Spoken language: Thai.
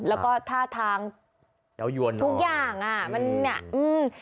แล้วก็ท่าทางเยาวยวนทุกอย่างอ่ะมันเนี้ยอืม